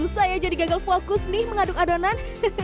saya jadi gagal fokus nih mengaduk adonan